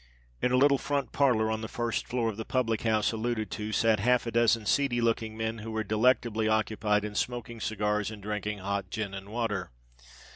In a little front parlour on the first floor of the public house alluded to, sate half a dozen seedy looking men, who were delectably occupied in smoking cigars and drinking hot gin and water.